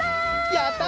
やった！